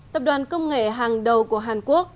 tập đoàn công nghệ hàng đầu của hàn quốc